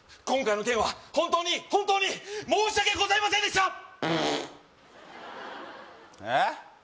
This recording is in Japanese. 今回の件は本当に申し訳ございませんでした